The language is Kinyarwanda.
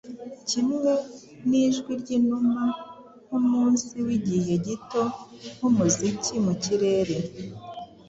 Kimwe n'ijwi ry'inuma; nk'umunsi w'igihe gito; nk'umuziki mu kirere